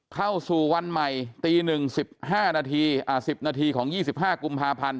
เข้าสู่วันใหม่ตี๑๑๕นาที๑๐นาทีของ๒๕กุมภาพันธ์